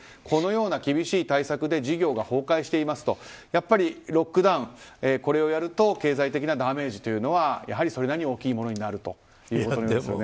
このような厳しい対策で事業が崩壊していますとやっぱりロックダウンをやると経済的なダメージというのはそれなりに大きいものになるということです。